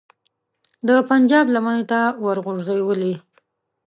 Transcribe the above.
د پنجاب لمنې ته وروغورځولې.